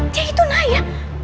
dia itu naya